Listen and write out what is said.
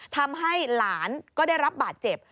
ทำให้หลานก็ได้รับบาดเจ็บ